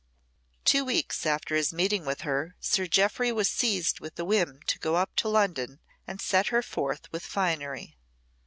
Two weeks after his meeting with her, Sir Jeoffry was seized with the whim to go up to London and set her forth with finery.